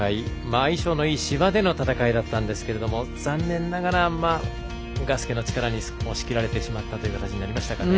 相性のいい芝での戦いだったんですが残念ながらガスケの力に押し切られてしまった形になりましたかね。